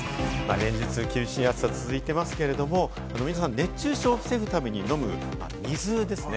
連日、厳しい暑さが続いていますけれども、皆さん、熱中症を防ぐために飲む水ですね。